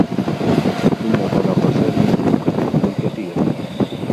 إنّ طلاق سامي سيكلّفه الكثير.